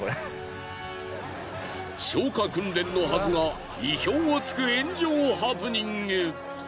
消火訓練のはずが意表を突く炎上ハプニング。